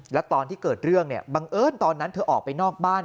แล้วตอนที่เกิดเรื่องเนี่ยบังเอิญตอนนั้นเธอออกไปนอกบ้าน